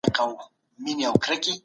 پیدا کولو په منظور د نارینه